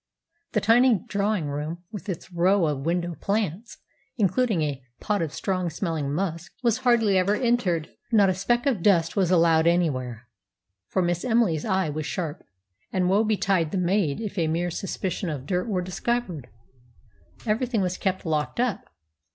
The tiny drawing room, with its row of window plants, including a pot of strong smelling musk, was hardly ever entered. Not a speck of dust was allowed anywhere, for Miss Emily's eye was sharp, and woe betide the maid if a mere suspicion of dirt were discovered! Everything was kept locked up.